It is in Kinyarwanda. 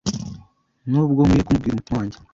Nubwo nkwiye kumubwira umutima wanjye